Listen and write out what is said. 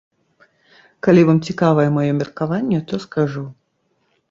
Калі вам цікавае маё меркаванне, то скажу.